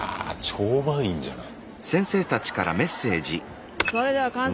超満員じゃない。